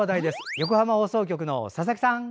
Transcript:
横浜放送局の佐々木さん。